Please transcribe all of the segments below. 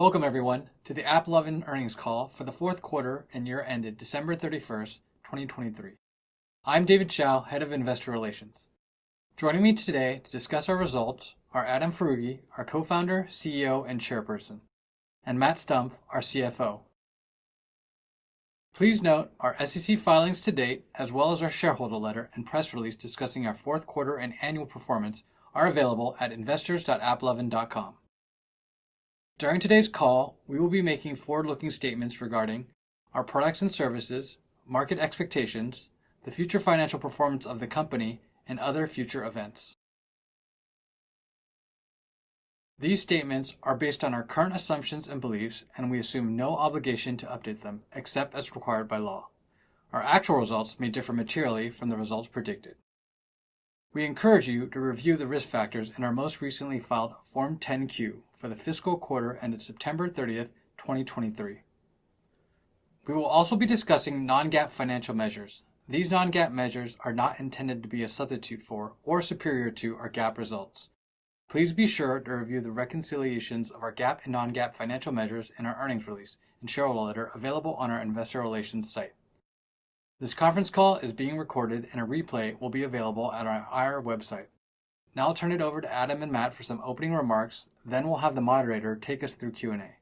Welcome everyone, to the AppLovin earnings call for the fourth quarter and year ended 31 December 2023. I'm David Hsiao, Head of Investor Relations. Joining me today to discuss our results are Adam Foroughi, our Co-founder, CEO, and Chairperson, and Matt Stumpf, our CFO. Please note our SEC filings to date, as well as our shareholder letter and press release discussing our fourth quarter and annual performance, are available at investors.applovin.com. During today's call, we will be making forward-looking statements regarding our products and services, market expectations, the future financial performance of the company, and other future events. These statements are based on our current assumptions and beliefs, and we assume no obligation to update them except as required by law. Our actual results may differ materially from the results predicted. We encourage you to review the risk factors in our most recently filed Form 10-Q for the fiscal quarter ended September 30, 2023. We will also be discussing non-GAAP financial measures. These non-GAAP measures are not intended to be a substitute for or superior to our GAAP results. Please be sure to review the reconciliations of our GAAP and non-GAAP financial measures in our earnings release and shareholder letter, available on our investor relations site. This conference call is being recorded and a replay will be available at our IR website. Now I'll turn it over to Adam and Matt for some opening remarks, then we'll have the moderator take us through Q&A.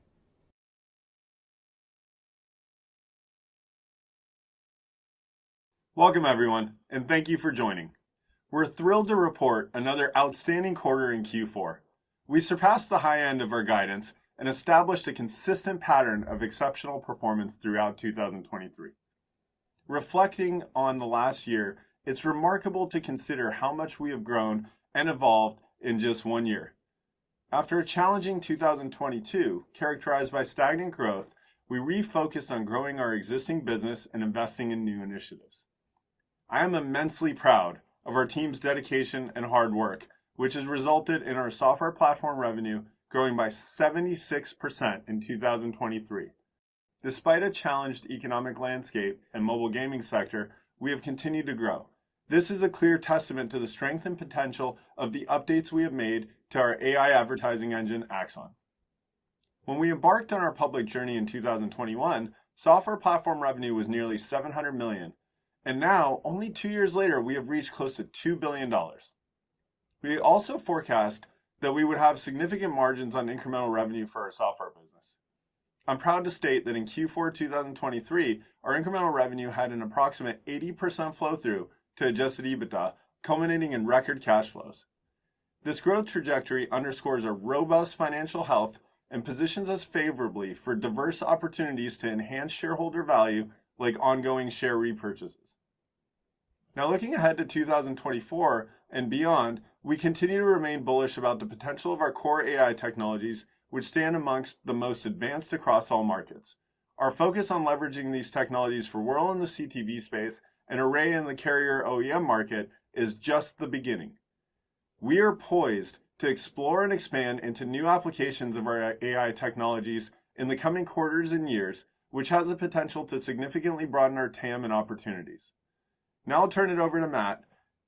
Welcome everyone, and thank you for joining. We're thrilled to report another outstanding quarter in Q4. We surpassed the high end of our guidance and established a consistent pattern of exceptional performance throughout 2023. Reflecting on the last year, it's remarkable to consider how much we have grown and evolved in just one year. After a challenging 2022, characterized by stagnant growth, we refocused on growing our existing business and investing in new initiatives. I am immensely proud of our team's dedication and hard work, which has resulted in our software platform revenue growing by 76% in 2023. Despite a challenged economic landscape and mobile gaming sector, we have continued to grow. This is a clear testament to the strength and potential of the updates we have made to our AI advertising engine, AXON. When we embarked on our public journey in 2021, software platform revenue was nearly $700 million, and now, only two years later, we have reached close to $2 billion. We also forecast that we would have significant margins on incremental revenue for our software business. I'm proud to state that in Q4 2023, our incremental revenue had an approximate 80% flow-through to Adjusted EBITDA, culminating in record cash flows. This growth trajectory underscores a robust financial health and positions us favorably for diverse opportunities to enhance shareholder value, like ongoing share repurchases. Now, looking ahead to 2024 and beyond, we continue to remain bullish about the potential of our core AI technologies, which stand amongst the most advanced across all markets. Our focus on leveraging these technologies for Wurl in the CTV space and Array in the carrier OEM market is just the beginning. We are poised to explore and expand into new applications of our AI technologies in the coming quarters and years, which has the potential to significantly broaden our TAM and opportunities. Now I'll turn it over to Matt,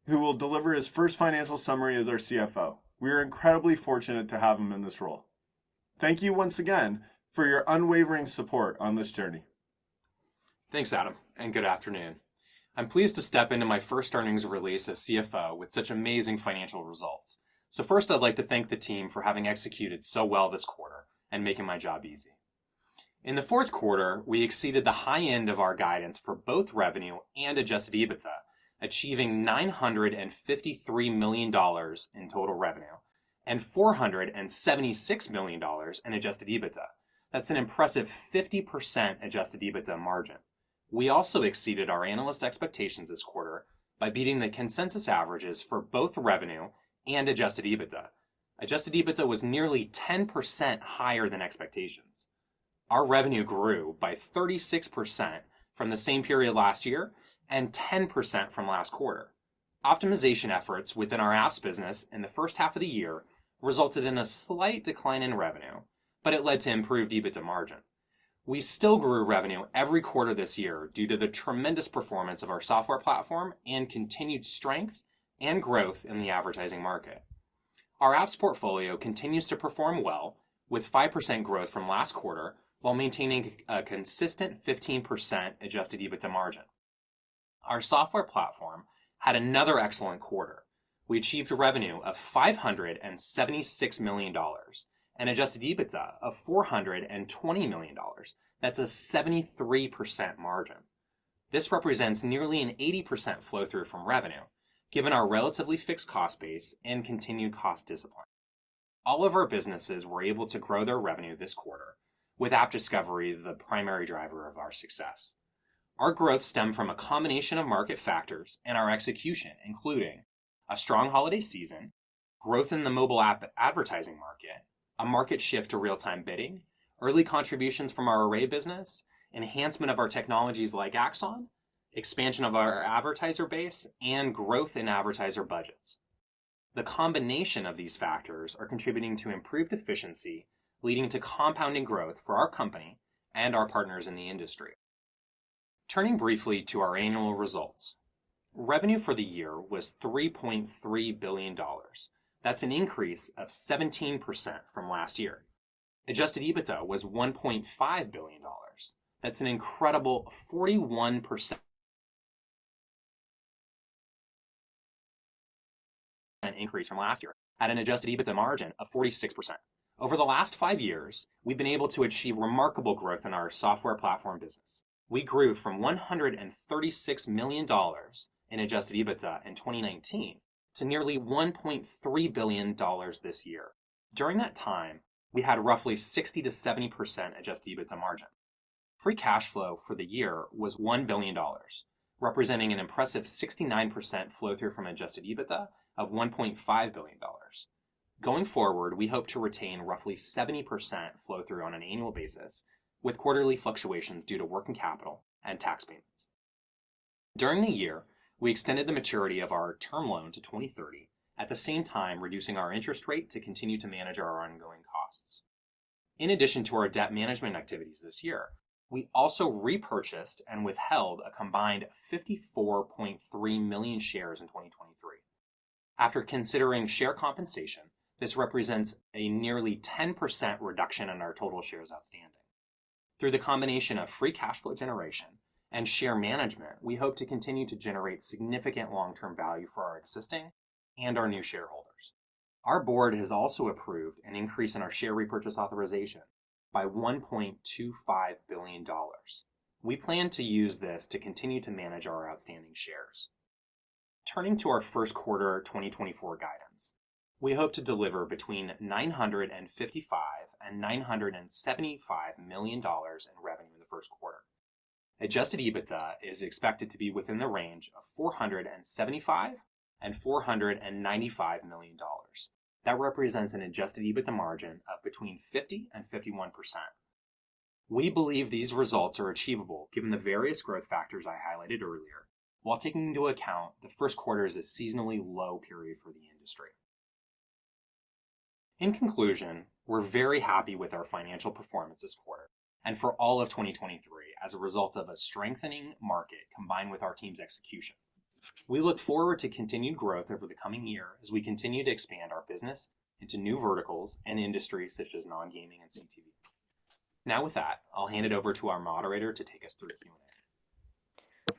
who will deliver his first financial summary as our CFO. We are incredibly fortunate to have him in this role. Thank you once again for your unwavering support on this journey. Thanks, Adam, and good afternoon. I'm pleased to step into my first earnings release as CFO with such amazing financial results. So first, I'd like to thank the team for having executed so well this quarter and making my job easy. In the fourth quarter, we exceeded the high end of our guidance for both revenue and Adjusted EBITDA, achieving $953 million in total revenue and $476 million in Adjusted EBITDA. That's an impressive 50% Adjusted EBITDA margin. We also exceeded our analyst expectations this quarter by beating the consensus averages for both revenue and Adjusted EBITDA. Adjusted EBITDA was nearly 10% higher than expectations. Our revenue grew by 36% from the same period last year and 10% from last quarter. Optimization efforts within our apps business in the first half of the year resulted in a slight decline in revenue, but it led to improved EBITDA margin. We still grew revenue every quarter this year due to the tremendous performance of our software platform and continued strength and growth in the advertising market. Our apps portfolio continues to perform well, with 5% growth from last quarter, while maintaining a consistent 15% adjusted EBITDA margin. Our software platform had another excellent quarter. We achieved revenue of $576 million and adjusted EBITDA of $420 million. That's a 73% margin. This represents nearly an 80% flow-through from revenue, given our relatively fixed cost base and continued cost discipline. All of our businesses were able to grow their revenue this quarter, with AppDiscovery the primary driver of our success. Our growth stemmed from a combination of market factors and our execution, including a strong holiday season, growth in the mobile app advertising market, a market shift to real-time bidding, early contributions from our Array business, enhancement of our technologies like AXON, expansion of our advertiser base, and growth in advertiser budgets. The combination of these factors are contributing to improved efficiency, leading to compounding growth for our company and our partners in the industry. Turning briefly to our annual results. Revenue for the year was $3.3 billion. That's an increase of 17% from last year. Adjusted EBITDA was $1.5 billion. That's an incredible 41% increase from last year, at an adjusted EBITDA margin of 46%. Over the last five years, we've been able to achieve remarkable growth in our software platform business. We grew from $136 million in Adjusted EBITDA in 2019, to nearly $1.3 billion this year. During that time, we had roughly 60%-70% Adjusted EBITDA margin. Free cash flow for the year was $1 billion, representing an impressive 69% flow-through from Adjusted EBITDA of $1.5 billion. Going forward, we hope to retain roughly 70% flow-through on an annual basis, with quarterly fluctuations due to working capital and tax payments. During the year, we extended the maturity of our term loan to 2030, at the same time reducing our interest rate to continue to manage our ongoing costs. In addition to our debt management activities this year, we also repurchased and withheld a combined 54.3 million shares in 2023. After considering share compensation, this represents a nearly 10% reduction in our total shares outstanding. Through the combination of free cash flow generation and share management, we hope to continue to generate significant long-term value for our existing and our new shareholders. Our board has also approved an increase in our share repurchase authorization by $1.25 billion. We plan to use this to continue to manage our outstanding shares. Turning to our first quarter 2024 guidance, we hope to deliver between $955 million and $975 million in revenue in the first quarter. Adjusted EBITDA is expected to be within the range of $475 million-495 million. That represents an adjusted EBITDA margin of between 50% and 51%. We believe these results are achievable given the various growth factors I highlighted earlier, while taking into account the first quarter is a seasonally low period for the industry. In conclusion, we're very happy with our financial performance this quarter, and for all of 2023, as a result of a strengthening market combined with our team's execution. We look forward to continued growth over the coming year as we continue to expand our business into new verticals and industries such as non-gaming and CTV. Now, with that, I'll hand it over to our moderator to take us through the Q&A.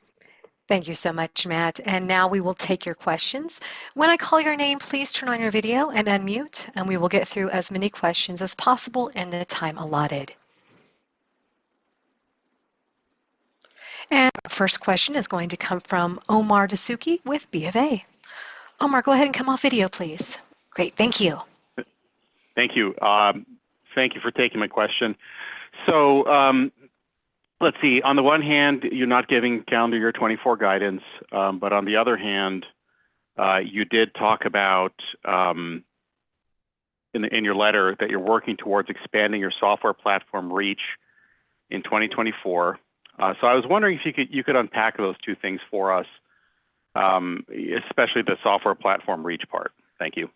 Thank you so much, Matt, and now we will take your questions. When I call your name, please turn on your video and unmute, and we will get through as many questions as possible in the time allotted. Our first question is going to come from Omar Dessouky with BofA. Omar, go ahead and come off video, please. Great. Thank you. Thank you. Thank you for taking my question. So, let's see. On the one hand, you're not giving calendar year 2024 guidance, but on the other hand, you did talk about, in your letter that you're working towards expanding your software platform reach in 2024. So I was wondering if you could unpack those two things for us, especially the software platform reach part. Thank you.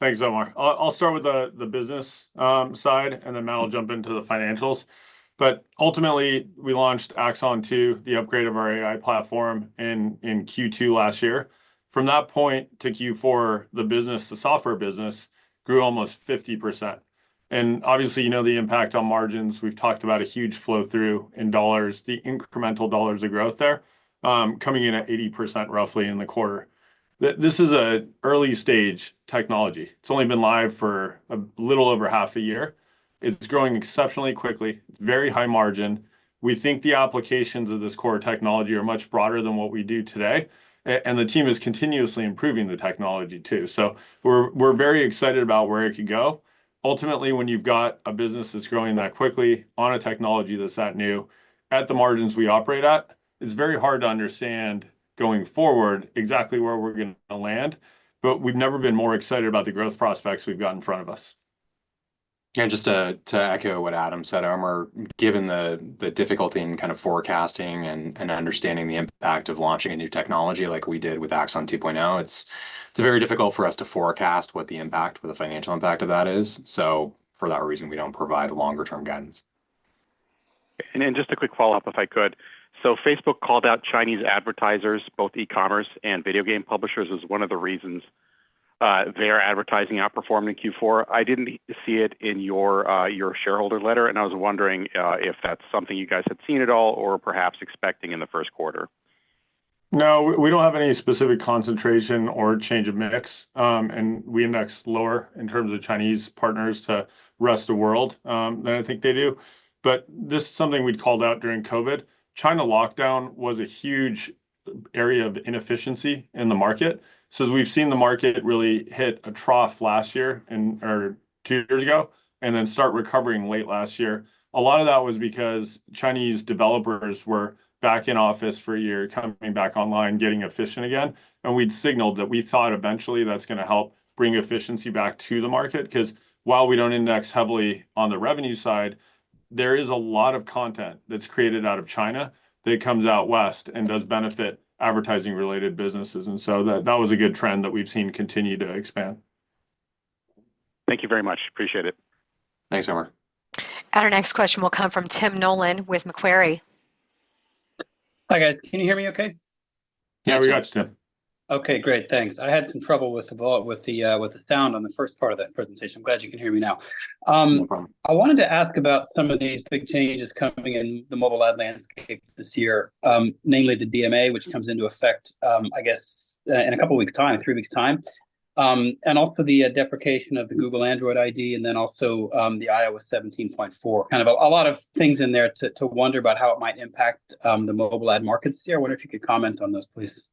Thanks, Omar. I'll start with the business side, and then Matt will jump into the financials. But ultimately, we AXON 2.0, the upgrade of our AI platform, in Q2 last year. From that point to Q4, the business, the software business grew almost 50%. And obviously, you know the impact on margins. We've talked about a huge flow-through in dollars, the incremental dollars of growth there, coming in at 80% roughly in the quarter. This is an early stage technology. It's only been live for a little over half a year. It's growing exceptionally quickly, very high margin. We think the applications of this core technology are much broader than what we do today, and the team is continuously improving the technology, too. So we're very excited about where it could go. Ultimately, when you've got a business that's growing that quickly on a technology that's that new, at the margins we operate at, it's very hard to understand going forward exactly where we're gonna land. But we've never been more excited about the growth prospects we've got in front of us. Yeah, just to echo what Adam said, Omar, given the difficulty in kind of forecasting and understanding the impact of launching a new technology like we did AXON 2.0, it's very difficult for us to forecast what the impact or the financial impact of that is. So for that reason, we don't provide longer term guidance. Then just a quick follow-up, if I could. So Facebook called out Chinese advertisers, both e-commerce and video game publishers, as one of the reasons, their advertising outperformed in Q4. I didn't see it in your, your shareholder letter, and I was wondering, if that's something you guys had seen at all or perhaps expecting in the first quarter. No, we don't have any specific concentration or change of mix, and we index lower in terms of Chinese partners to the rest of the world than I think they do. But this is something we'd called out during COVID. China lockdown was a huge area of inefficiency in the market. So we've seen the market really hit a trough last year, or two years ago, and then start recovering late last year. A lot of that was because Chinese developers were back in office for a year, coming back online, getting efficient again, and we'd signaled that we thought eventually that's gonna help bring efficiency back to the market. 'Cause while we don't index heavily on the revenue side, there is a lot of content that's created out of China that comes out west and does benefit advertising-related businesses, and so that, that was a good trend that we've seen continue to expand. Thank you very much. Appreciate it. Thanks, Omar. Our next question will come from Tim Nollen with Macquarie. Hi, guys. Can you hear me okay? Yeah, we got you, Tim. Okay, great. Thanks. I had some trouble with the sound on the first part of that presentation. I'm glad you can hear me now. No problem. I wanted to ask about some of these big changes coming in the mobile ad landscape this year, mainly the DMA, which comes into effect, I guess, in a couple weeks' time, three weeks' time. And also the deprecation of the Google Android ID, and then also the iOS 17.4. Kind of a lot of things in there to wonder about how it might impact the mobile ad markets this year. I wonder if you could comment on those, please.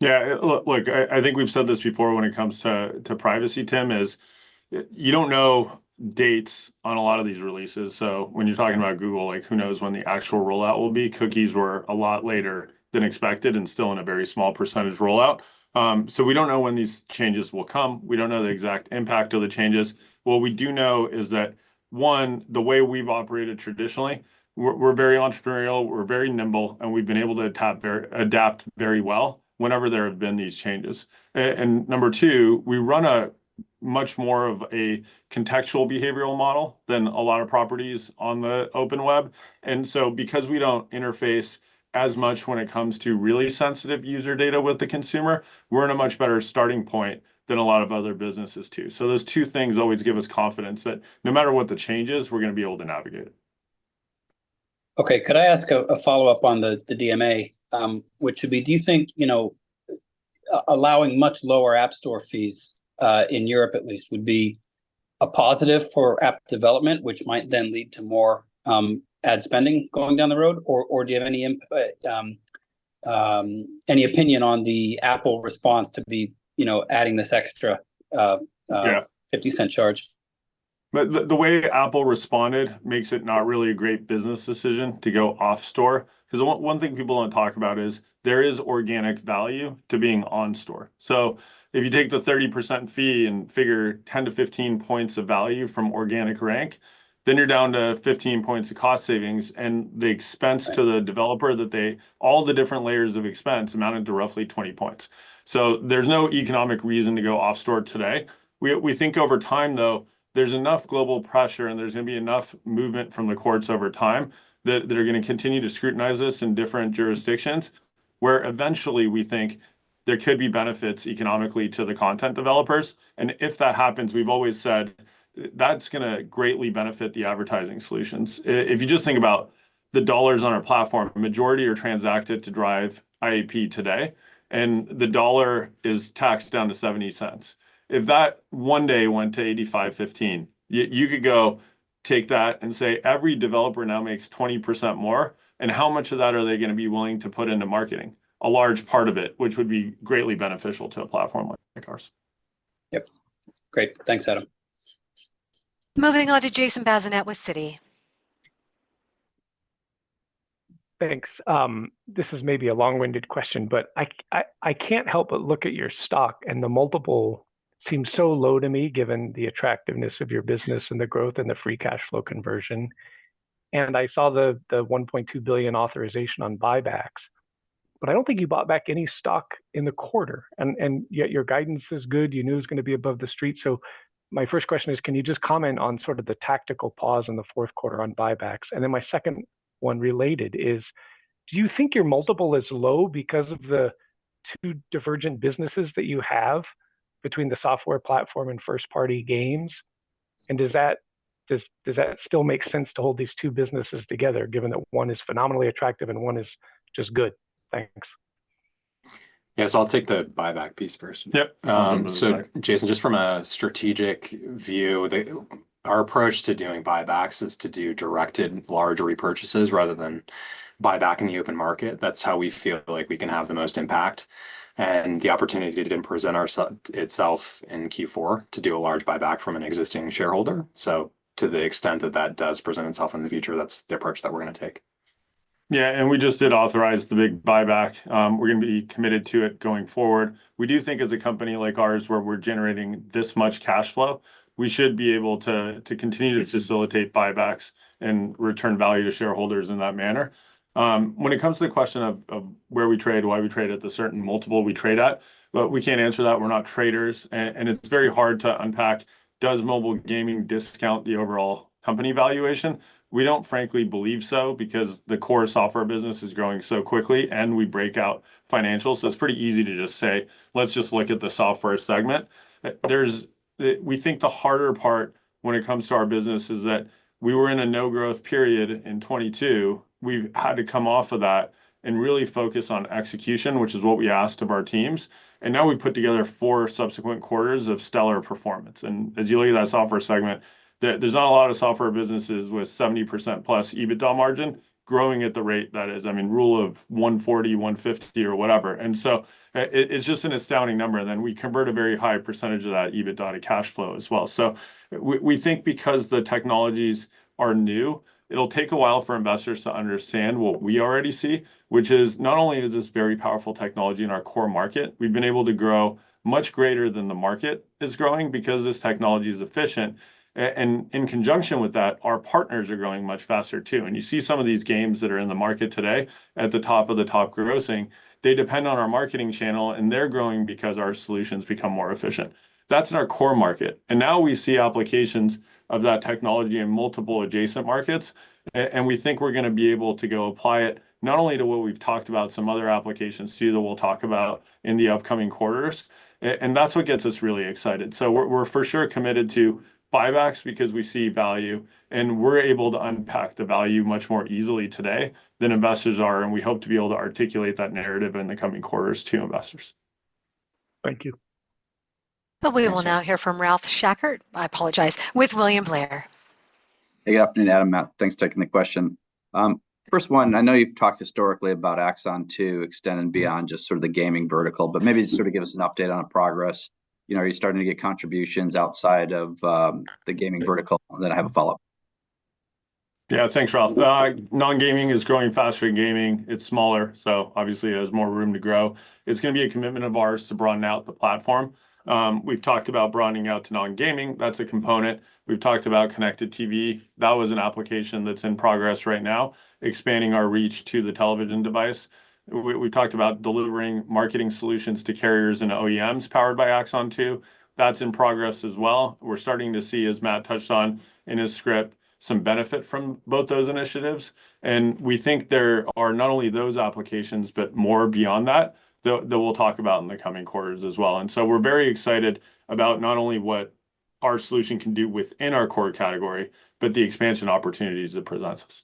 Yeah, look, I think we've said this before when it comes to privacy, Tim, is you don't know dates on a lot of these releases. So when you're talking about Google, like, who knows when the actual rollout will be? Cookies were a lot later than expected and still in a very small percentage rollout. So we don't know when these changes will come. We don't know the exact impact of the changes. What we do know is that, one, the way we've operated traditionally, we're very entrepreneurial, we're very nimble, and we've been able to adapt very well whenever there have been these changes. And number two, we run much more of a contextual behavioral model than a lot of properties on the open web. And so because we don't interface as much when it comes to really sensitive user data with the consumer, we're in a much better starting point than a lot of other businesses, too. So those two things always give us confidence that no matter what the change is, we're gonna be able to navigate it. Okay, could I ask a follow-up on the DMA? Which would be, do you think, you know, allowing much lower app store fees in Europe at least, would be a positive for app development, which might then lead to more ad spending going down the road? Or do you have any input, any opinion on the Apple response to the, you know, adding this extra Yeah. $0.50 charge? The way Apple responded makes it not really a great business decision to go off store, 'cause one thing people don't talk about is there is organic value to being on store. So if you take the 30% fee and figure 10-15 points of value from organic rank, then you're down to 15 points of cost savings, and the expense to the developer, that all the different layers of expense amounted to roughly 20 points. So there's no economic reason to go off store today. We think over time, though, there's enough global pressure, and there's gonna be enough movement from the courts over time that are gonna continue to scrutinize this in different jurisdictions, where eventually we think there could be benefits economically to the content developers. And if that happens, we've always said that's gonna greatly benefit the advertising solutions. If you just think about the dollars on our platform, the majority are transacted to drive IAP today, and the dollar is taxed down to $0.70. If that one day went to $0.85, 0.15, you could go take that and say, "Every developer now makes 20% more," and how much of that are they gonna be willing to put into marketing? A large part of it, which would be greatly beneficial to a platform like, like ours. Yep. Great. Thanks, Adam. Moving on to Jason Bazinet with Citi. Thanks. This is maybe a long-winded question, but I can't help but look at your stock, and the multiple seems so low to me, given the attractiveness of your business and the growth and the free cash flow conversion, and I saw the $1.2 billion authorization on buybacks. But I don't think you bought back any stock in the quarter, and yet your guidance is good. You knew it was gonna be above the street. So my first question is, can you just comment on sort of the tactical pause in the fourth quarter on buybacks? And then my second one related is: Do you think your multiple is low because of the two divergent businesses that you have between the software platform and first-party games? Does that still make sense to hold these two businesses together, given that one is phenomenally attractive and one is just good? Thanks. Yes, I'll take the buyback piece first. Yep. So Jason, just from a strategic view, our approach to doing buybacks is to do directed larger repurchases rather than buyback in the open market. That's how we feel like we can have the most impact, and the opportunity didn't present itself in Q4 to do a large buyback from an existing shareholder. So to the extent that that does present itself in the future, that's the approach that we're gonna take. Yeah, and we just did authorize the big buyback. We're gonna be committed to it going forward. We do think as a company like ours, where we're generating this much cash flow, we should be able to continue to facilitate buybacks and return value to shareholders in that manner. When it comes to the question of where we trade, why we trade at the certain multiple we trade at, but we can't answer that. We're not traders, and it's very hard to unpack, does mobile gaming discount the overall company valuation? We don't frankly believe so, because the core software business is growing so quickly, and we break out financials, so it's pretty easy to just say, "Let's just look at the software segment." There's, we think the harder part when it comes to our business is that we were in a no-growth period in 2022. We've had to come off of that and really focus on execution, which is what we asked of our teams, and now we've put together four subsequent quarters of stellar performance. And as you look at that software segment, there, there's not a lot of software businesses with 70%+ EBITDA margin growing at the rate that is... I mean, rule of 140, 150, or whatever, and so it, it's just an astounding number. Then we convert a very high percentage of that EBITDA to cash flow as well. So we, we think because the technologies are new, it'll take a while for investors to understand what we already see, which is not only is this very powerful technology in our core market, we've been able to grow much greater than the market is growing because this technology is efficient. And in conjunction with that, our partners are growing much faster too. You see some of these games that are in the market today at the top of the top grossing, they depend on our marketing channel, and they're growing because our solutions become more efficient. That's in our core market, and now we see applications of that technology in multiple adjacent markets. And we think we're gonna be able to go apply it, not only to what we've talked about, some other applications too, that we'll talk about in the upcoming quarters. And that's what gets us really excited. So we're, we're for sure committed to buybacks because we see value, and we're able to unpack the value much more easily today than investors are, and we hope to be able to articulate that narrative in the coming quarters to investors. Thank you. But we will now hear from Ralph Schackart, I apologize, with William Blair. Good afternoon, Adam, Matt. Thanks for taking the question. First one, I know you've talked historically about AXON 2 extending beyond just sort of the gaming vertical, but maybe just sort of give us an update on progress. You know, are you starting to get contributions outside of the gaming vertical? Then I have a follow-up. Yeah, thanks, Ralph. Non-gaming is growing faster than gaming. It's smaller, so obviously there's more room to grow. It's gonna be a commitment of ours to broaden out the platform. We've talked about broadening out to non-gaming. That's a component. We've talked about connected TV. That was an application that's in progress right now, expanding our reach to the television device. We talked about delivering marketing solutions to carriers and OEMs powered by AXON 2. That's in progress as well. We're starting to see, as Matt touched on in his script, some benefit from both those initiatives, and we think there are not only those applications, but more beyond that that we'll talk about in the coming quarters as well. And so we're very excited about not only what our solution can do within our core category, but the expansion opportunities it presents us.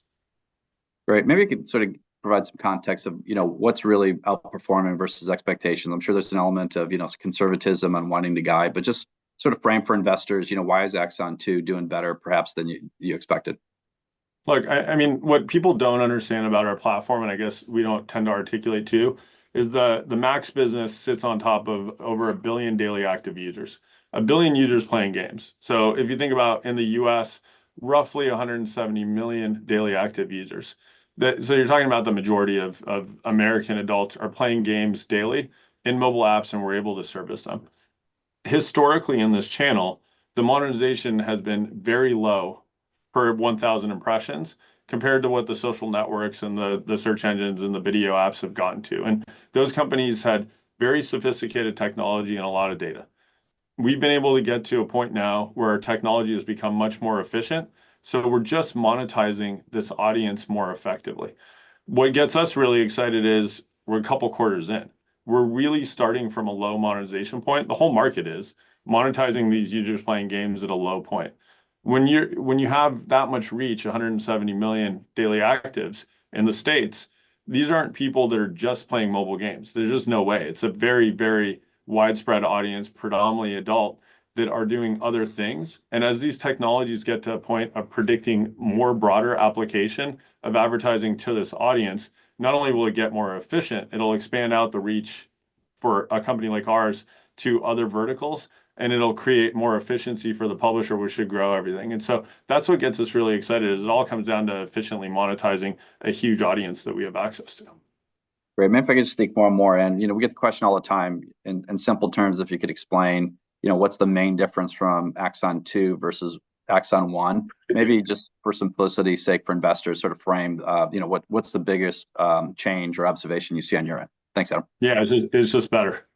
Great. Maybe you could sort of provide some context of, you know, what's really outperforming versus expectations. I'm sure there's an element of, you know, conservatism and wanting to guide, but just sort of frame for investors, you know, why is AXON 2 doing better perhaps than you, you expected? Look, I mean, what people don't understand about our platform, and I guess we don't tend to articulate, too, is the MAX business sits on top of over a billion daily active users, a billion users playing games. So if you think about in the U.S., roughly 170 million daily active users. That... So you're talking about the majority of American adults are playing games daily in mobile apps, and we're able to service them. Historically, in this channel, the monetization has been very low per 1,000 impressions compared to what the social networks and the search engines and the video apps have gotten to, and those companies had very sophisticated technology and a lot of data. We've been able to get to a point now where our technology has become much more efficient, so we're just monetizing this audience more effectively. What gets us really excited is we're a couple of quarters in. We're really starting from a low monetization point. The whole market is monetizing these users playing games at a low point. When you, when you have that much reach, 170 million daily actives in the States, these aren't people that are just playing mobile games. There's just no way. It's a very, very widespread audience, predominantly adult, that are doing other things. And as these technologies get to a point of predicting more broader application of advertising to this audience, not only will it get more efficient, it'll expand out the reach for a company like ours to other verticals, and it'll create more efficiency for the publisher, which should grow everything. That's what gets us really excited, is it all comes down to efficiently monetizing a huge audience that we have access to. Great. Maybe if I could just dig one more in. You know, we get the question all the time, in simple terms, if you could explain, you know, what's the main difference from AXON 2 versus AXON 1? Maybe just for simplicity's sake, for investors, sort of frame, you know, what's the biggest change or observation you see on your end? Thanks, Adam. Yeah, it's just better.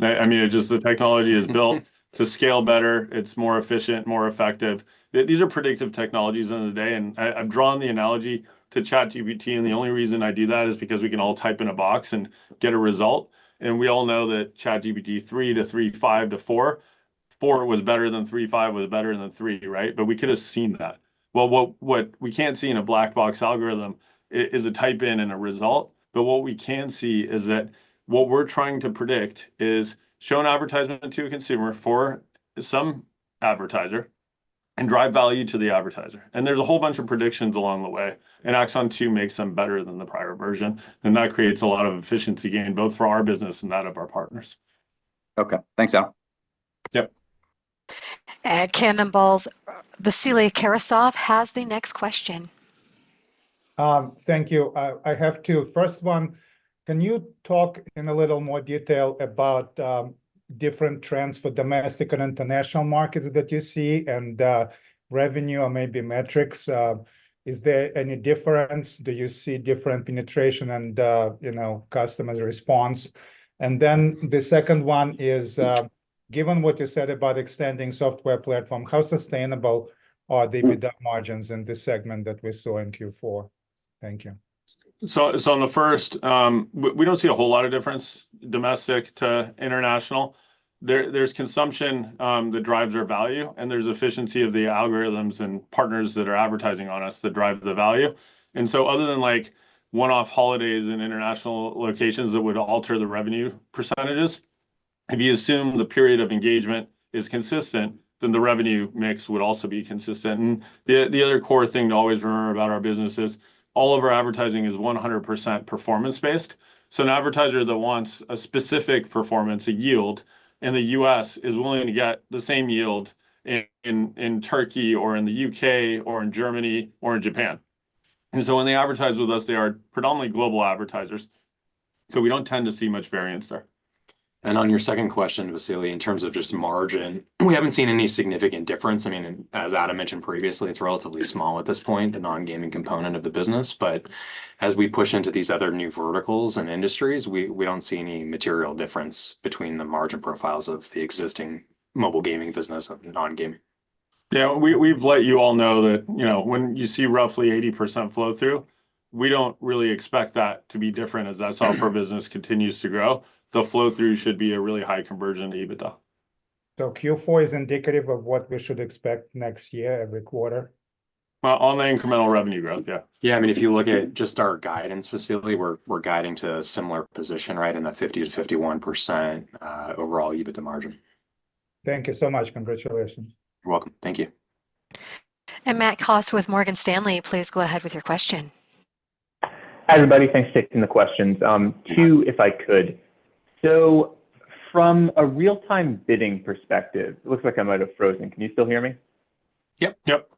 I mean, it just... The technology is built to scale better. It's more efficient, more effective. These are predictive technologies of the day, and I've drawn the analogy to ChatGPT, and the only reason I do that is because we can all type in a box and get a result. And we all know that ChatGPT three to 3.5 to four was better than 3.5 was better than three, right? But we could have seen that. Well, what we can't see in a black box algorithm is a type in and a result, but what we can see is that what we're trying to predict is show an advertisement to a consumer for some advertiser and drive value to the advertiser. There's a whole bunch of predictions along the way, and AXON 2 makes them better than the prior version, and that creates a lot of efficiency gain, both for our business and that of our partners. Okay. Thanks, Adam. Yep. Canaccord's Vasily Karasyov has the next question. Thank you. I have two. First one, can you talk in a little more detail about, different trends for domestic and international markets that you see and, revenue or maybe metrics? Is there any difference? Do you see different penetration and, you know, customer response? And then the second one is, given what you said about extending software platform, how sustainable are the EBITDA margins in this segment that we saw in Q4? Thank you. So on the first, we don't see a whole lot of difference domestic to international. There's consumption that drives our value, and there's efficiency of the algorithms and partners that are advertising on us that drive the value. And so other than, like, one-off holidays in international locations that would alter the revenue percentages, if you assume the period of engagement is consistent, then the revenue mix would also be consistent. And the other core thing to always remember about our business is all of our advertising is 100% performance-based. So an advertiser that wants a specific performance, a yield, in the U.S. is willing to get the same yield in Turkey or in the U.K. or in Germany or in Japan. When they advertise with us, they are predominantly global advertisers, so we don't tend to see much variance there. On your second question, Vasily, in terms of just margin, we haven't seen any significant difference. I mean, as Adam mentioned previously, it's relatively small at this point, the non-gaming component of the business. But as we push into these other new verticals and industries, we don't see any material difference between the margin profiles of the existing mobile gaming business and non-gaming. Yeah, we've let you all know that, you know, when you see roughly 80% flow-through, we don't really expect that to be different as that software business continues to grow. The flow-through should be a really high conversion to EBITDA. Q4 is indicative of what we should expect next year every quarter? Well, on the incremental revenue growth, yeah. Yeah, I mean, if you look at just our guidance specifically, we're guiding to a similar position, right in the 50%-51% overall EBITDA margin. Thank you so much. Congratulations. You're welcome. Thank you. Matt Cost with Morgan Stanley, please go ahead with your question. Hi, everybody. Thanks for taking the questions..wo, if I could. So from a real-time bidding perspective... It looks like I might have frozen. Can you still hear me? Yep. yep.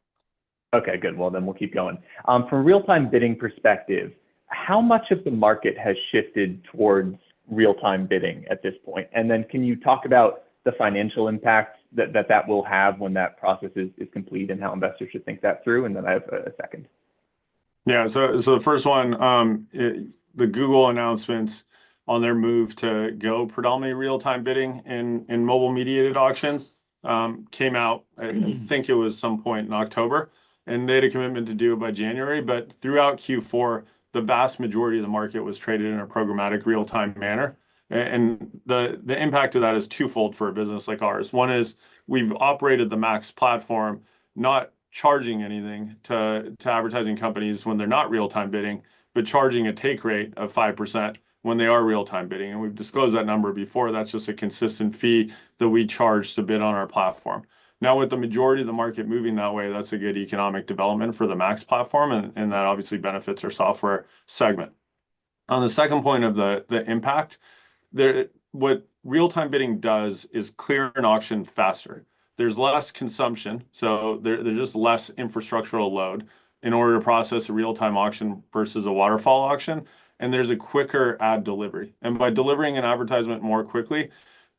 Okay, good. Well, then we'll keep going. From a real-time bidding perspective, how much of the market has shifted towards real-time bidding at this point? And then can you talk about the financial impact that will have when that process is complete, and how investors should think that through? And then I have a second. Yeah. So the first one, the Google announcements on their move to go predominantly real-time bidding in mobile-mediated auctions, came out, I think it was some point in October, and they had a commitment to do it by January. But throughout Q4, the vast majority of the market was traded in a programmatic real-time manner. And the, the impact of that is twofold for a business like ours. One is, we've operated the MAX platform, not charging anything to, to advertising companies when they're not real-time bidding, but charging a take rate of 5% when they are real-time bidding, and we've disclosed that number before. That's just a consistent fee that we charge to bid on our platform. Now, with the majority of the market moving that way, that's a good economic development for the MAX platform, and, and that obviously benefits our software segment. On the second point of the, the impact, the, what real-time bidding does is clear an auction faster. There's less consumption, so there's just less infrastructural load in order to process a real-time auction versus a waterfall auction, and there's a quicker ad delivery. And by delivering an advertisement more quickly,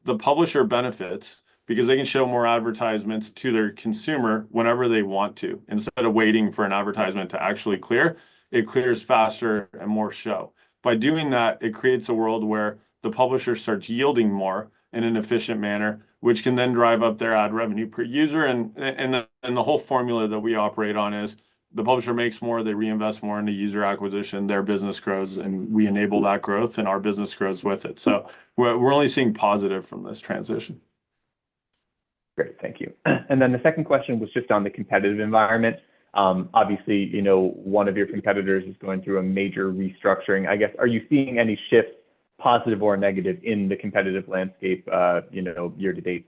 the publisher benefits because they can show more advertisements to their consumer whenever they want to. Instead of waiting for an advertisement to actually clear, it clears faster and more show. By doing that, it creates a world where the publisher starts yielding more in an efficient manner, which can then drive up their ad revenue per user. And the whole formula that we operate on is, the publisher makes more, they reinvest more in the user acquisition, their business grows, and we enable that growth, and our business grows with it. So we're only seeing positive from this transition. Great, thank you. Then the second question was just on the competitive environment. Obviously, you know, one of your competitors is going through a major restructuring. I guess, are you seeing any shifts, positive or negative, in the competitive landscape, you know, year to date?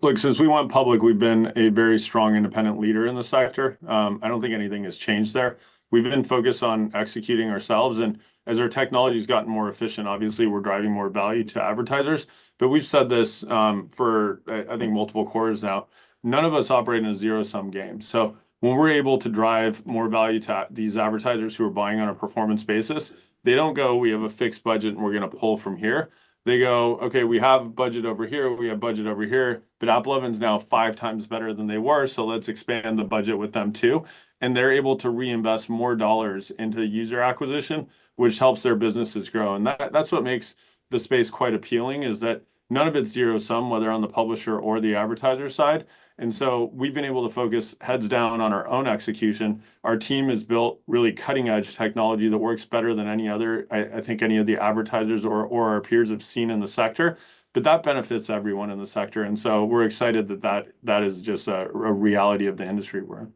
Look, since we went public, we've been a very strong independent leader in the sector. I don't think anything has changed there. We've been focused on executing ourselves, and as our technology's gotten more efficient, obviously, we're driving more value to advertisers. But we've said this, for I think multiple quarters now, none of us operate in a zero-sum game. So when we're able to drive more value to these advertisers who are buying on a performance basis, they don't go, "We have a fixed budget, and we're gonna pull from here." They go, "Okay, we have budget over here, we have budget over here, but AppLovin's now five times better than they were, so let's expand the budget with them too." And they're able to reinvest more dollars into user acquisition, which helps their businesses grow. And that's what makes the space quite appealing, is that none of it's zero-sum, whether on the publisher or the advertiser side. And so we've been able to focus heads down on our own execution. Our team has built really cutting-edge technology that works better than any other—I think any of the advertisers or our peers have seen in the sector. But that benefits everyone in the sector, and so we're excited that that is just a reality of the industry we're in.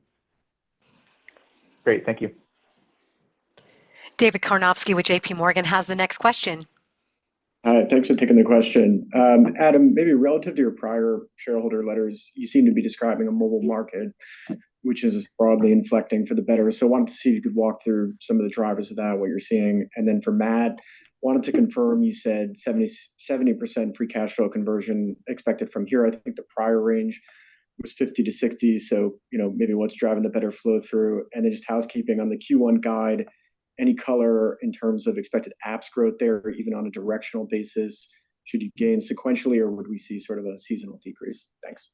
Great, thank you. David Karnovsky with JPMorgan has the next question. Thanks for taking the question. Adam, maybe relative to your prior shareholder letters, you seem to be describing a mobile market, which is broadly inflecting for the better. So I wanted to see if you could walk through some of the drivers of that, what you're seeing. And then for Matt, wanted to confirm, you said 77% free cash flow conversion expected from here. I think the prior range was 50-60, so, you know, maybe what's driving the better flow through. And then just housekeeping on the Q1 guide, any color in terms of expected apps growth there, even on a directional basis? Should you gain sequentially, or would we see sort of a seasonal decrease? Thanks.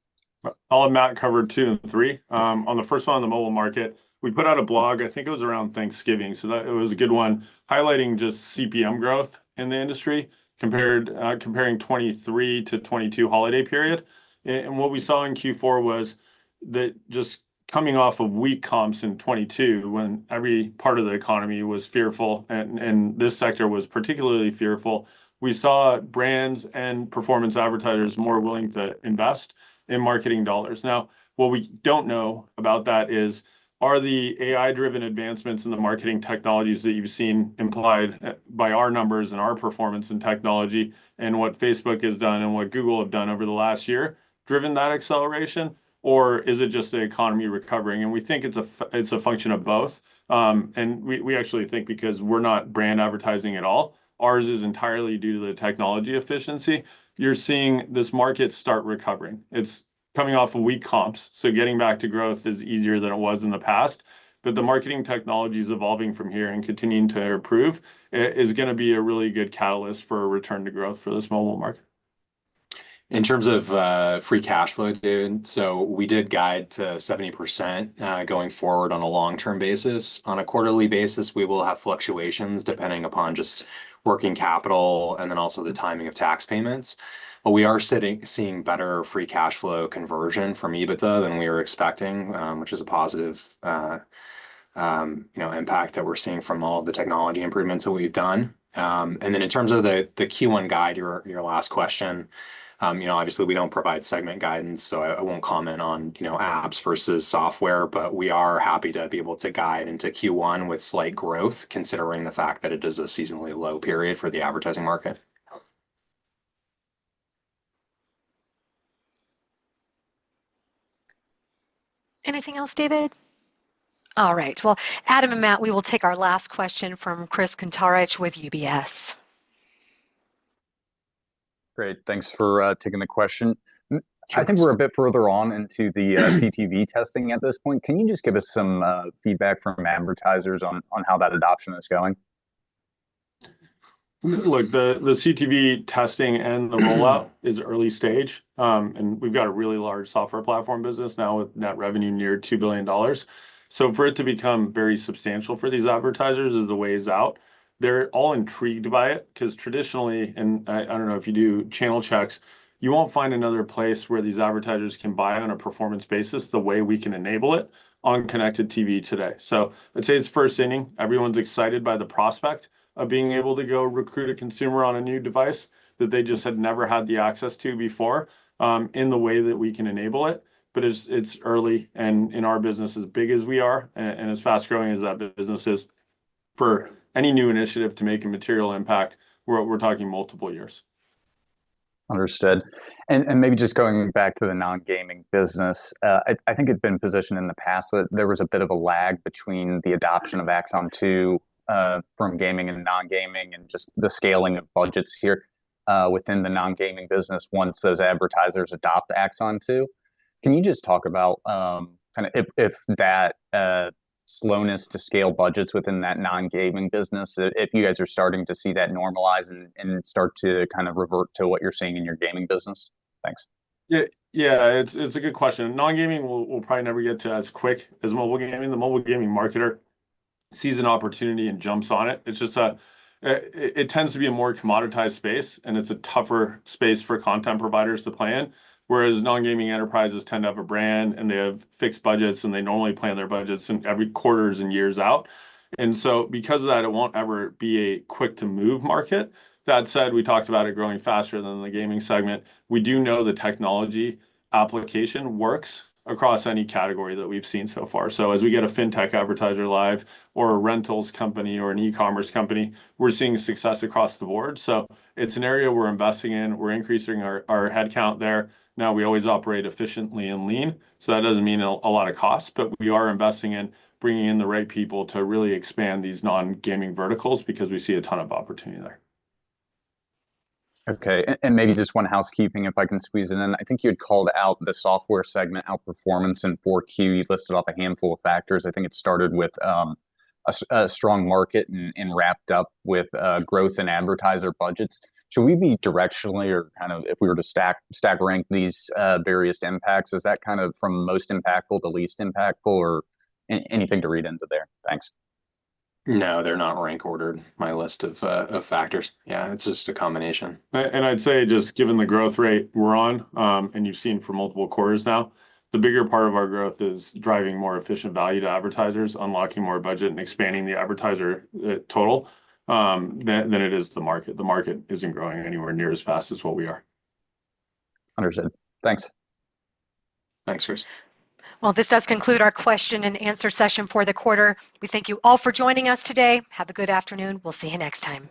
I'll have Matt cover two and three. On the first one, on the mobile market, we put out a blog, I think it was around Thanksgiving, so that... it was a good one, highlighting just CPM growth in the industry, comparing 2023 to 2022 holiday period. And what we saw in Q4 was that just coming off of weak comps in 2022, when every part of the economy was fearful and, and this sector was particularly fearful, we saw brands and performance advertisers more willing to invest in marketing dollars. Now, what we don't know about that is, are the AI-driven advancements in the marketing technologies that you've seen implied, by our numbers and our performance and technology, and what Facebook has done and what Google have done over the last year, driven that acceleration, or is it just the economy recovering? We think it's a function of both. We actually think because we're not brand advertising at all, ours is entirely due to the technology efficiency. You're seeing this market start recovering. It's coming off of weak comps, so getting back to growth is easier than it was in the past. But the marketing technology is evolving from here, and continuing to improve, is gonna be a really good catalyst for a return to growth for this mobile market. In terms of free cash flow, dude, so we did guide to 70%, going forward on a long-term basis. On a quarterly basis, we will have fluctuations, depending upon just working capital and then also the timing of tax payments. But we are seeing better free cash flow conversion from EBITDA than we were expecting, which is a positive, you know, impact that we're seeing from all of the technology improvements that we've done. And then in terms of the Q1 guide, your last question, you know, obviously we don't provide segment guidance, so I won't comment on, you know, apps versus software, but we are happy to be able to guide into Q1 with slight growth, considering the fact that it is a seasonally low period for the advertising market. Anything else, David? All right. Well, Adam and Matt, we will take our last question from Chris Kuntarich with UBS. Great. Thanks for taking the question. I think we're a bit further on into the CTV testing at this point. Can you just give us some feedback from advertisers on how that adoption is going? Look, the CTV testing and the rollout... is early stage. And we've got a really large software platform business now with net revenue near $2 billion. So for it to become very substantial for these advertisers is a ways out. They're all intrigued by it, 'cause traditionally, and I don't know if you do channel checks, you won't find another place where these advertisers can buy on a performance basis the way we can enable it on connected TV today. I'd say it's first inning. Everyone's excited by the prospect of being able to go recruit a consumer on a new device that they just had never had the access to before, in the way that we can enable it. But it's early, and in our business, as big as we are and as fast-growing as that business is, for any new initiative to make a material impact, we're talking multiple years. Understood. And maybe just going back to the non-gaming business, I think it's been positioned in the past that there was a bit of a lag between the adoption AXON 2.0 from gaming and non-gaming, and just the scaling of budgets here within the non-gaming business once those advertisers AXON 2.0. can you just talk about kind of if that slowness to scale budgets within that non-gaming business, if you guys are starting to see that normalize and start to kind of revert to what you're seeing in your gaming business? Thanks. Yeah, yeah, it's a good question. Non-gaming will probably never get to as quick as mobile gaming. The mobile gaming marketer sees an opportunity and jumps on it. It's just, it tends to be a more commoditized space, and it's a tougher space for content providers to play in, whereas non-gaming enterprises tend to have a brand, and they have fixed budgets, and they normally plan their budgets in every quarters and years out. So because of that, it won't ever be a quick-to-move market. That said, we talked about it growing faster than the gaming segment. We do know the technology application works across any category that we've seen so far. So as we get a fintech advertiser live or a rentals company or an e-commerce company, we're seeing success across the board. So it's an area we're investing in. We're increasing our head count there. Now, we always operate efficiently and lean, so that doesn't mean a lot of cost, but we are investing in bringing in the right people to really expand these non-gaming verticals because we see a ton of opportunity there. Okay. And maybe just one housekeeping, if I can squeeze it in. I think you had called out the software segment outperformance in Q4. You listed off a handful of factors. I think it started with a strong market and wrapped up with growth in advertiser budgets. Should we be directionally or kind of if we were to stack rank these various impacts, is that kind of from most impactful to least impactful, or anything to read into there? Thanks. No, they're not rank ordered, my list of factors. Yeah, it's just a combination. I'd say just given the growth rate we're on, and you've seen for multiple quarters now, the bigger part of our growth is driving more efficient value to advertisers, unlocking more budget, and expanding the advertiser total, than it is the market. The market isn't growing anywhere near as fast as what we are. Understood. Thanks. Thanks, Chris. Well, this does conclude our question and answer session for the quarter. We thank you all for joining us today. Have a good afternoon. We'll see you next time.